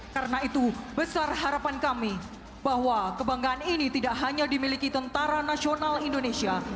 karena itu besar harapan kami bahwa kebanggaan ini tidak hanya dimiliki tentara nasional indonesia